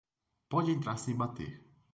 Pode entrar sem bater.